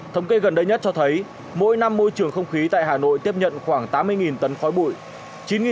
thống kê gần đây nhất cho thấy mỗi năm môi trường không khí tại hà nội tiếp nhận khoảng tám mươi tấn khói bụi